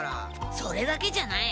それだけじゃない。